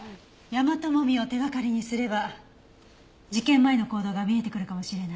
ヤマトモミを手掛かりにすれば事件前の行動が見えてくるかもしれない。